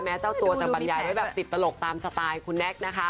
เจ้าตัวจะบรรยายไว้แบบติดตลกตามสไตล์คุณแน็กนะคะ